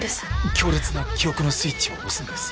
強烈な記憶のスイッチを押すんです。